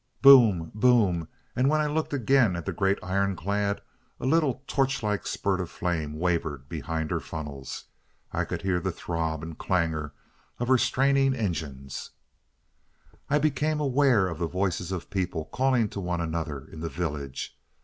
"Boom! boom!" and when I looked again at the great ironclad, a little torchlike spurt of flame wavered behind her funnels. I could hear the throb and clangor of her straining engines. ... I became aware of the voices of people calling to one another in the village.